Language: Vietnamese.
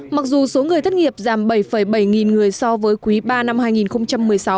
mặc dù số người thất nghiệp giảm bảy bảy nghìn người so với quý ba năm hai nghìn một mươi sáu